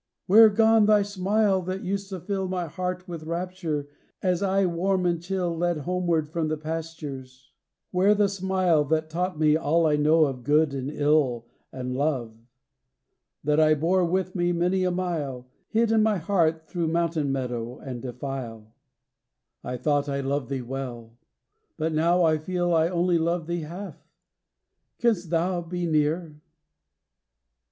Where gone thy smile that used to fill My heart with rapture as I, warm or chill. Led homeward from the pastures; where the smile That taught me all I know of good and ill And love; that I bore with me many a mile, Hid in my heart, thro' mountain meadow and defile? CHRISTMAS EVE. 9 XII. "I tho't I loved thee well; but now I feel I only loved thee half; canst thou be near!